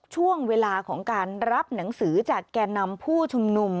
ช่วงเวลาของการรับหนังสือจากแก่นำผู้ชุมนุม